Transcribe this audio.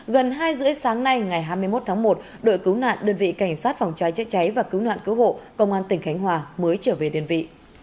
gần hai h ba mươi sáng nay ngày hai mươi một tháng một đội cứu nạn đơn vị cảnh sát phòng cháy chữa cháy và cứu nạn cứu hộ công an tỉnh khánh hòa mới trở về đơn vị